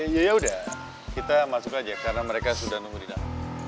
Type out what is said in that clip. ya yaudah kita masuk aja karna mereka sudah nunggu didalam